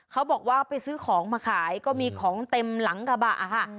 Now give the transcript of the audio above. เขาบอกว่าไปซื้อของมาขายก็มีของเต็มหลังกระบะค่ะ